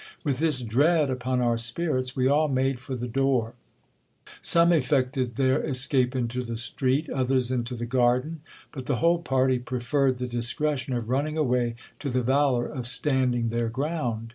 With this dread upon our spirits, we all made for the door. Some effected their escape into the street, others into the garden : but the whole party preferred the discretion of running away to the valour of standing their ground.